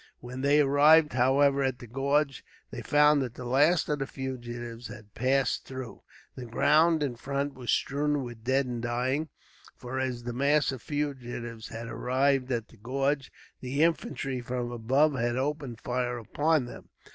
When they arrived, however, at the gorge, they found that the last of the fugitives had passed through. The ground in front was strewn with dead and dying, for as the mass of fugitives had arrived at the gorge, the infantry from above had opened fire upon them.